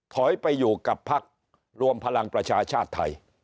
ถอยไปอยู่กับพักรวมพลังประชาชาติไทย